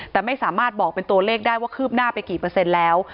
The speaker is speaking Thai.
แต่ไม่สามารถบอกเป็นตัวเลขได้ว่าคืบหน้าไปกี่เปอร์เซ็นต์แล้ว